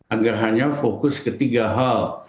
agar hanya fokus ke tiga hal